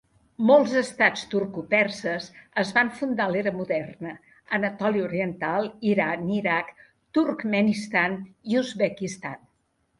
Molts estats turco-perses es van fundar a l'era moderna, Anatòlia oriental, Iran, Iraq, Turkmenistan i Uzbekistan.